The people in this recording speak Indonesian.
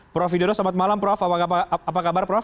prof widodo selamat malam prof apa kabar prof